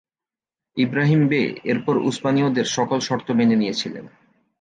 Ibrahim Bey এরপর উসমানীয়দের সকল শর্ত মেনে নিয়েছিলেন।